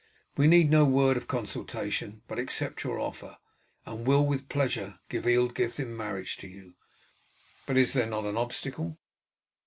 We need no word of consultation, but accept your offer, and will with pleasure give Ealdgyth in marriage to you. But is there not an obstacle?"